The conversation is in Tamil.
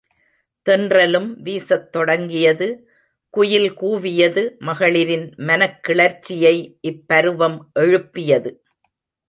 தென்றலும் வீசத் தொடங்கியது குயில் கூவியது மகளிரின் மனக் கிளர்ச்சியை இப்பருவம் எழுப்பியது.